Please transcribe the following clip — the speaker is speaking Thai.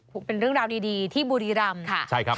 ครับเป็นเรื่องราวดีที่บูริรัมค์ค่ะใช่ครับใช่ครับ